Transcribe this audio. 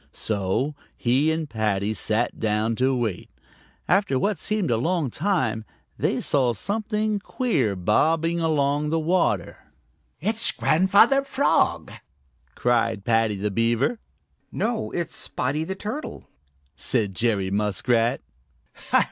So he and Paddy sat down to wait. After what seemed a long time, they saw something queer bobbing along in the water. "It's Grandfather Frog," cried Paddy the Beaver. "No, it's Spotty the Turtle," said Jerry Muskrat.